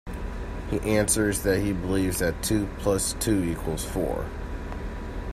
He answers that he believes that two plus two equals four.